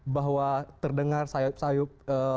bahwa terdengar sayup sayup